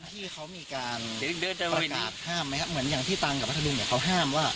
ที่เขามีการประกาศห้ามไหมครับเหมือนอย่างที่ต่างกับพระทะลุงเขาห้ามว่า